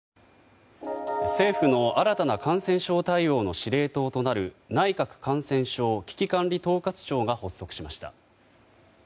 政府の新たな感染症対応の司令塔となる内閣感染症危機管理統括庁が発足しました。